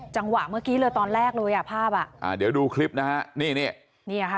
จังหวะเมื่อกี้เลยตอนแรกเลยอ่ะภาพอ่ะอ่าเดี๋ยวดูคลิปนะฮะนี่นี่ค่ะ